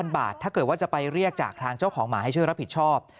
บาทถ้าเกิดว่าจะไปเรียกจากทางเจ้าของหมาให้ช่วยรับผิดชอบ